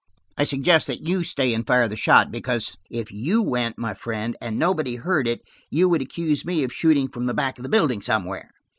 I suggest that you stay and fire the shot, because if you went, my friend, and nobody heard it, you would accuse me of shooting from the back of the building somewhere."